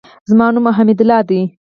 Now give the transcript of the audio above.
زما نوم حمیدالله دئ.